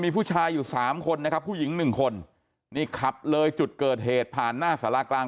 มีผู้ชายอยู่สามคนนะครับผู้หญิงหนึ่งคนนี่ขับเลยจุดเกิดเหตุผ่านหน้าสารากลาง